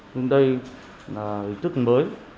nhưng đây là ý tức mới